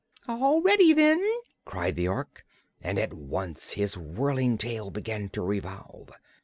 "All ready, then!" cried the Ork, and at once his whirling tail began to revolve.